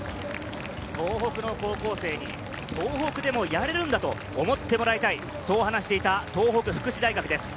東北の高校生に、東北でもやれるんだと思ってほしいと話していた東北福祉大学です。